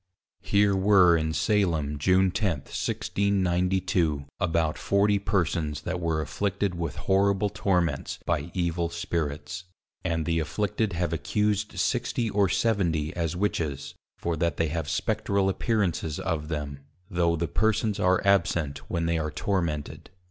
Here were in Salem, June 10, 1692, about 40 persons that were afflicted with horrible torments by Evil Spirits, and the afflicted have accused 60 or 70 as Witches, for that they have Spectral appearances of them, tho the Persons are absent when they are tormented.